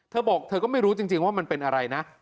เธอบอกเธอก็ไม่รู้จริงว่ามันเป็นอะไรนะ